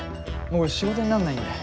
もう仕事になんないんで。